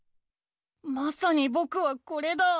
まさにぼくはこれだ。